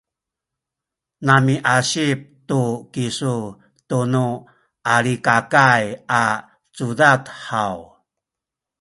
namiasip tu kisu tunu Alikakay a cudad haw?